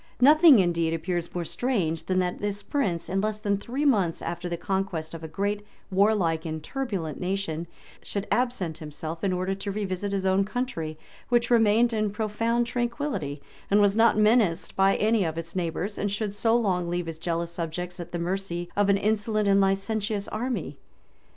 Nothing indeed appears more strange than that this prince, in less than three months after the conquest of a great, warlike, and turbulent nation, should absent himself in order to revisit his own country, which remained in profound tranquillity, and was not menaced by any of its neighbors; and should so long leave his jealous subjects at the mercy of an insolent and licentious army.